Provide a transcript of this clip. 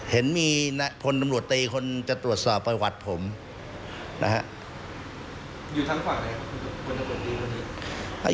เห็นมีพลตำรวจตีคนจะตรวจสอบประวัติผมนะฮะอยู่ทางฝั่งไหนครับ